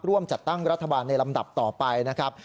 ร่วมจัดตั้งรัฐบาลในลำดับต่อไปนะครับ